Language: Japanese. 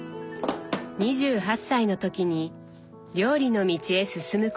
２８歳の時に料理の道へ進むことを決意。